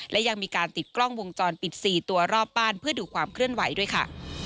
และยังมีการติดกล้องวงจรปิด๔ตัวรอบบ้านเพื่อดูความเคลื่อนไหวด้วยค่ะ